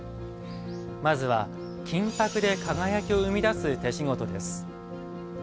まずは金箔で輝きを生み出す手しごとです。